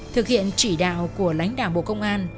thực hiện chỉ đạo của lãnh đạo bộ công an